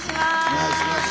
お願いします。